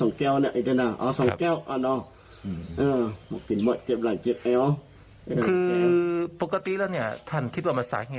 โอ่เจ็บหลังเจ็บแอ้วนะฮะ